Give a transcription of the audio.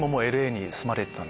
Ｌ．Ａ．に住まれてた？